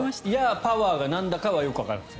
パワー！がなんだかはよくわからなかった。